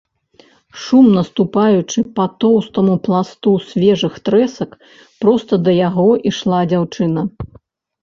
Шумна ступаючы па тоўстаму пласту свежых трэсак, проста да яго ішла дзяўчына.